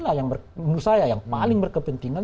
menurut saya yang paling berkepentingan